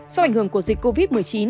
so với ảnh hưởng của dịch covid một mươi chín